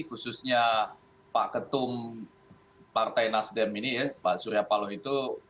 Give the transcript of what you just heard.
khususnya pak ketum partai nasdem ini ya pak surya paloh itu